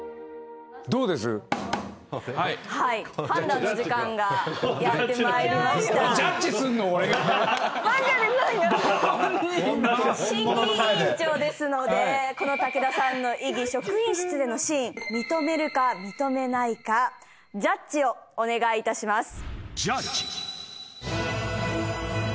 バカリさんが審議委員長ですのでこの武田さんの異議職員室でのシーン認めるか認めないかジャッジをお願いいたします